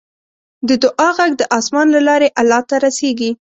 د دعا غږ د اسمان له لارې الله ته رسیږي.